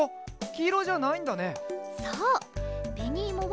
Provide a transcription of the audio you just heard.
きいろじゃないんだね。